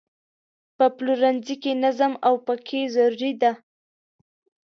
په پلورنځي کې نظم او پاکي ضروري ده.